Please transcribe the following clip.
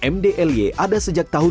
mdlj ada sejak tahun dua ribu delapan belas